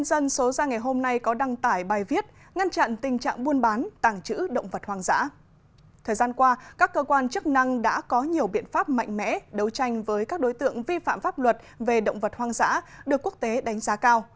thời gian qua các cơ quan chức năng đã có nhiều biện pháp mạnh mẽ đấu tranh với các đối tượng vi phạm pháp luật về động vật hoang dã được quốc tế đánh giá cao